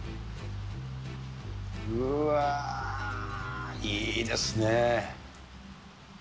うわー、いいですね。